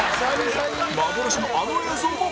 幻のあの映像も！